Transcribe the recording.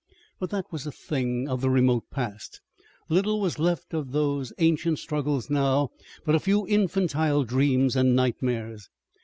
But that was a thing, of the remote past. Little was left of those ancient struggles now but a few infantile dreams and nightmares.